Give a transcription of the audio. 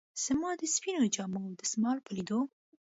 زما د سپینو جامو او دستمال په لیدو.